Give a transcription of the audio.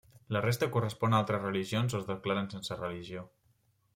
La resta corresponen a altres religions o es declaren sense religió.